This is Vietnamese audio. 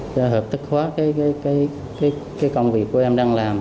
cho hợp thức hóa cái công việc của em đang làm